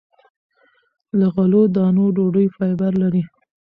له غلو- دانو ډوډۍ فایبر لري.